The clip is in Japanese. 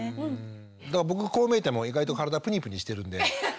だから僕こう見えても意外と体プニプニしてるんで。